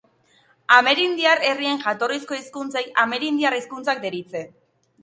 Amerindiar herrien jatorrizko hizkuntzei amerindiar hizkuntzak deritze.